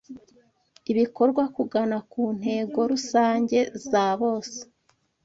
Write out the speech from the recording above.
ibikorwa kugana kuntego rusange zabose